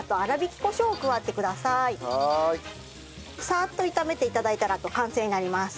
さっと炒めて頂いたら完成になります。